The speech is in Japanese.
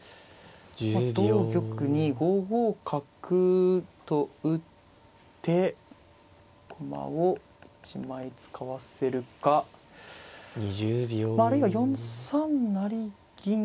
同玉に５五角と打って駒を１枚使わせるかあるいは４三成銀。